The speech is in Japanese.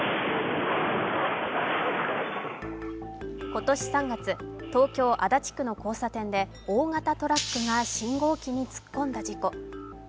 今年３月、東京・足立区の交差点で大型トラックが信号機に突っ込んだ事故。